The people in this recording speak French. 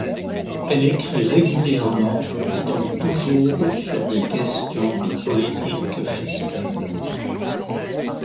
Elle écrit régulièrement dans ', toujours sur des questions de politique fiscale.